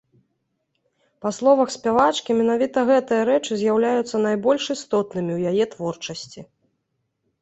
Па словах спявачкі, менавіта гэтыя рэчы з'яўляюцца найбольш істотнымі ў яе творчасці.